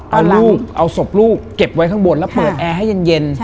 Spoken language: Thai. เอาลูกเอาศพลูกเก็บไว้ข้างบนแล้วเปิดแอร์ให้เย็น